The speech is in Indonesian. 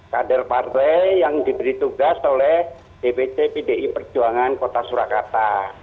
kader partai yang diberi tugas oleh dpc pdi perjuangan kota surakarta